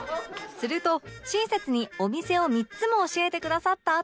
すると親切にお店を３つも教えてくださったあと